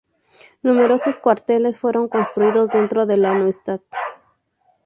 Numerosos cuarteles fueron construidos dentro de la Neustadt.